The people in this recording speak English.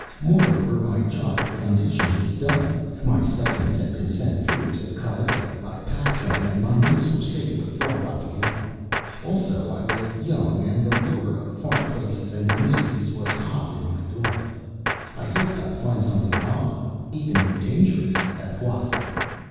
Moreover, my job for the Foundation was done. My specimens had been sent through to Callao by pack train, and my notes were safe with Fra Rafael. Also, I was young and the lure of far places and their mysteries was hot in my blood. I hoped I'd find something odd even dangerous at Huascan.